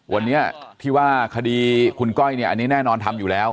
วันนี้ที่ว่าคดีคุณก้อยเนี่ยอันนี้แน่นอนทำอยู่แล้ว